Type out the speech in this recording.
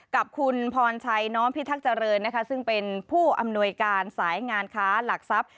กับคุณพรชัยน้อมพิทักษ์เจริญนะคะซึ่งเป็นผู้อำนวยการสายงานค้าหลักทรัพย์